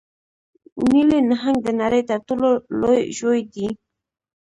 نیلي نهنګ د نړۍ تر ټولو لوی ژوی دی